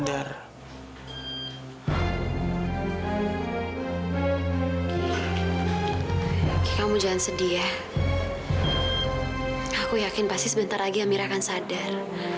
aku yakin pasti sebentar lagi amirah akan sadar